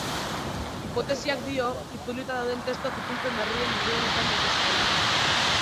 Hipotesiak dio, itzulita dauden testuak itzulpen berrien eredu izan daitezkeela.